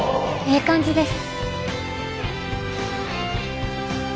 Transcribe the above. ええ感じです。